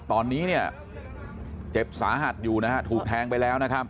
ตอนนี้เนี่ยเจ็บสาหัสอยู่นะฮะถูกแทงไปแล้วนะครับ